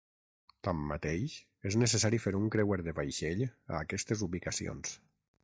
Tanmateix, és necessari fer un creuer de vaixell a aquestes ubicacions.